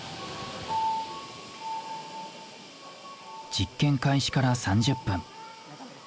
実験開始から３０分。